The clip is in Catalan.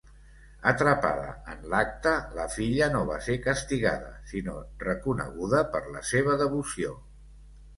Atrapada en l'acte, la filla no va ser castigada, sinó reconeguda per la seva "devoció".